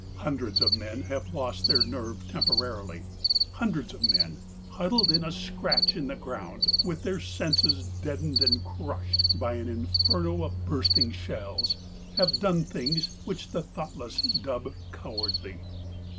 Hundreds of men have lost their nerve temporarily, hundreds of men, huddled in a scratch in the ground, with their senses deadened and crushed by an inferno of bursting shells, have done things which the thoughtless dub cowardly.